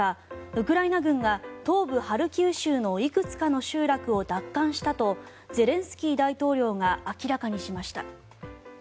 ウクライナ軍が東部ハルキウ州のいくつかの集落を奪還したとゼレンスキー大統領が明らかにしました。